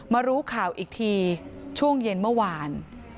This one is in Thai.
รู้ข่าวอีกทีช่วงเย็นเมื่อวาน